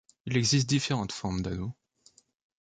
Il existe différentes formes d'anneaux.